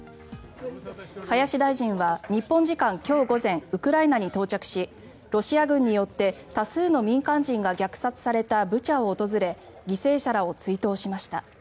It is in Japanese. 林大臣は日本時間今日午前ウクライナに到着しロシア軍によって多数の民間人が虐殺されたブチャを訪れ犠牲者らを追悼しました。